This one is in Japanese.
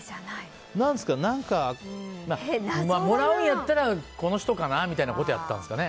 もらうんやったら、この人かなみたいなことだったんですかね。